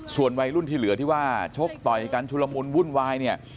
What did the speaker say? ส่วนวัยรุ่นที่เหลือที่ว่าชกต่อยกันชุลมุนวุ่นวายเนี่ย